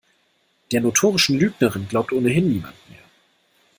Der notorischen Lügnerin glaubt ohnehin niemand mehr.